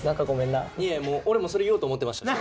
いや、もう俺、それ言おうと思ってました。